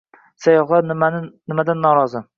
Sayyohlar nimadan norozi?